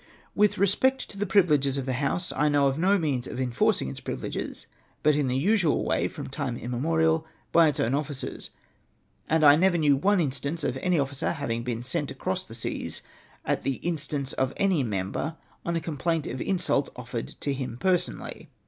With respect to the privileges of the House, I know of no means of enforcing its privileges, but in the usual way, from time immemorial, by its own officers ; and I never knew one instance of any officer having been sent across the seas at the instance of any member, on a comjilaint of insult offered to him personally.